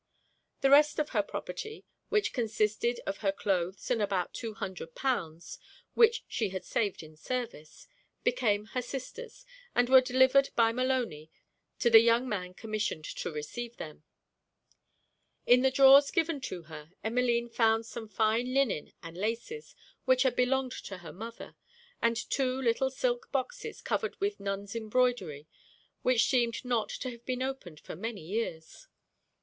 The rest of her property, which consisted of her cloaths and about two hundred pounds, which she had saved in service, became her sister's, and were delivered by Maloney to the young man commissioned to receive them. In the drawers given to her, Emmeline found some fine linen and laces, which had belonged to her mother; and two little silk boxes covered with nuns embroidery, which seemed not to have been opened for many years.